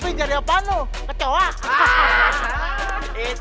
soalnya dia mainnya kacau banget gitu